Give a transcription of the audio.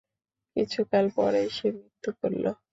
কিছুকাল পরেই সে মৃত্যুবরণ করল।